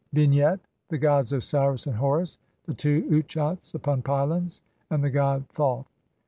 C. Vignette : The gods Osiris and Horus, the two Utchats upon pylons, and the god Thoth.